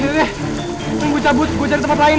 menunggu cabut gue tempat lain